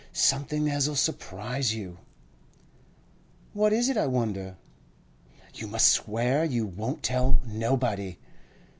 'Something as'll surprise you.' 'What is it, I wonder?' 'You must swear you won't tell nobody.